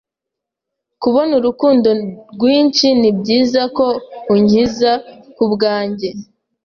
Kubona urukundo rwinshi, nibyiza ko unkiza kubwanjye